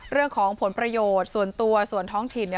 เรื่องของผลประโยชน์ส่วนตัวส่วนท้องถิ่น